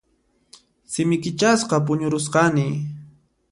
Simi kichasqa puñurusqani.